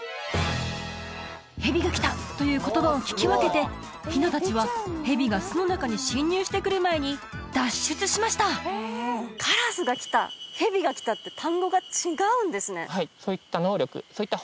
「ヘビが来た」という言葉を聞き分けてひな達はヘビが巣の中に侵入してくる前に脱出しました「カラスが来た」「ヘビが来た」って単語が違うんですね